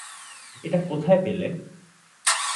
এটা কোথায় পেলে?